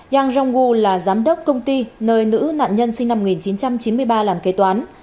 yang rong gu là giám đốc công ty nơi nữ nạn nhân sinh năm một nghìn chín trăm chín mươi ba làm kế toán